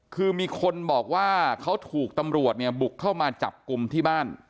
คือมีคนบอกว่าเขาถูกตำรวจเนี่ยบุกเข้ามาจับกลุ่มที่บ้าน